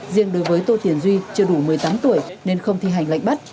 riêng đối với tô thiền duy chưa đủ một mươi tám tuổi nên không thi hành lệnh bắt